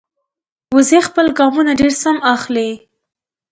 وزې خپل ګامونه ډېر سم اخلي